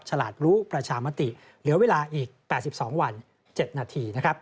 ฉลาดรู้ประชามติเหลือเวลาอีก๘๒วัน๗นาที